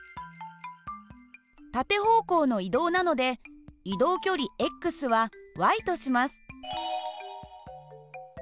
縦方向の移動なので移動距離はとします。